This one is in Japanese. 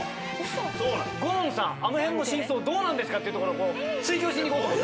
ゴーンさんあの辺の真相どうなんですかっていうところを追及しに行こうと思ってます。